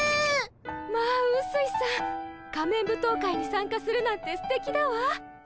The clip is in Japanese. まあうすいさん仮面舞踏会に参加するなんてすてきだわ。